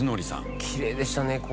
きれいでしたね。